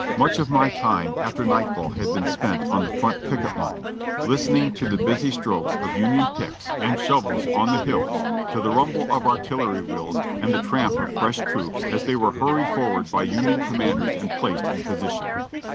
Much of my time after nightfall had been spent on the front picket line, listening to the busy strokes of Union picks and 400 JOHNNY RKB AND BILLY YANK shovels on the hills, to the rumble of artillery wheels and the tramp of fresh troops as they were hurried forward by Union commanders and placed in position.